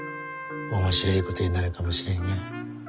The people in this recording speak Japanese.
面白えことになるかもしれんがや。